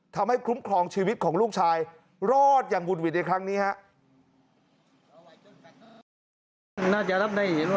ทำให้คุ้มครองชีวิตของลูกชายรอดอย่างหุ่นหวิดในครั้งนี้ครับ